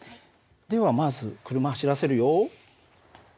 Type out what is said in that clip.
ではまず車走らせるよ。